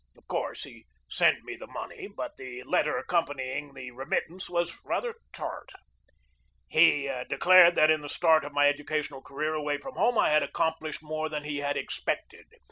Of course, he sent me the money, but the letter accompanying the remittance was rather tart. He declared that in the start of my educational career away from home I had accomplished more than he had expected.